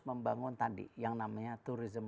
membangun tadi yang namanya turisme